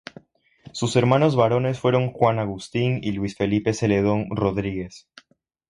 Sus hermanos varones fueron Juan Agustín y Luis Felipe Zeledón Rodríguez.